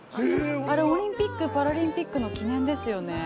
あれ、オリンピック・パラリンピックの記念ですよね。